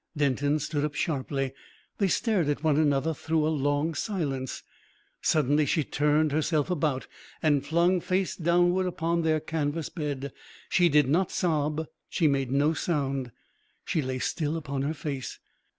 Denton stood up sharply. They stared at one another through a long silence. Suddenly she turned herself about, and flung face downward upon their canvas bed. She did not sob, she made no sound. She lay still upon her face.